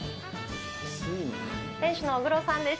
店主の小黒さんです。